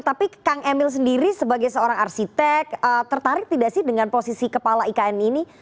tapi kang emil sendiri sebagai seorang arsitek tertarik tidak sih dengan posisi kepala ikn ini